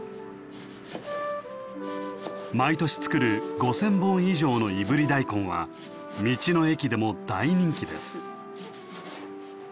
毎年作る５，０００本以上のいぶり大根は道の駅でも大人気です。